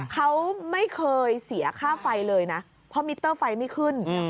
เขาไม่เคยเสียค่าไฟเลยนะเพราะมิเตอร์ไฟไม่ขึ้น